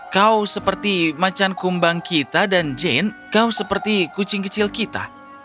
kau seperti macan kumbang kita dan jane kau seperti kucing kecil kita